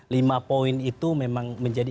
lima poin itu memang menjadi